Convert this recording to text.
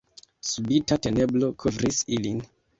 Subita tenebro kovris ilin.